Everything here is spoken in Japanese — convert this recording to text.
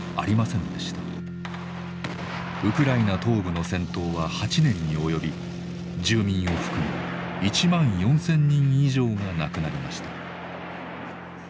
ウクライナ東部の戦闘は８年に及び住民を含む１万４，０００人以上が亡くなりました。